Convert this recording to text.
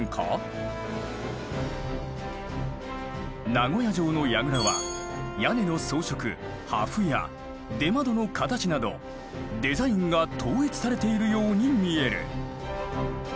名古屋城の櫓は屋根の装飾破風や出窓の形などデザインが統一されているように見える。